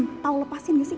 tau lepasin gak sih